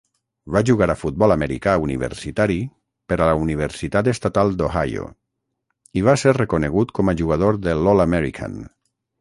Va jugar a futbol americà universitari per a la Universitat Estatal d'Ohio, i va ser reconegut com a jugador de l'All-American.